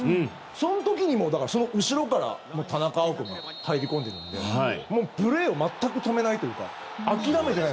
その時にも、その後ろから田中碧君が入り込んでるんでプレーを全く止めないというか諦めてない。